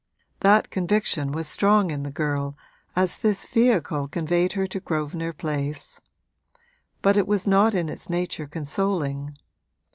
That conviction was strong in the girl as this vehicle conveyed her to Grosvenor Place; but it was not in its nature consoling.